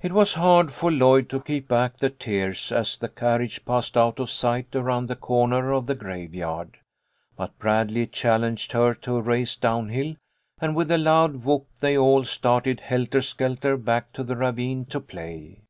It was hard for Lloyd to keep back the tears as the carriage passed out of sight around the corner of the graveyard. But Bradley challenged her to a race down hill, and with a loud whoop they all started helter skelter back to the ravine to play.